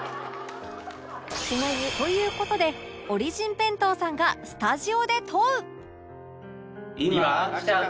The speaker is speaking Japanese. という事でオリジン弁当さんがスタジオで問う！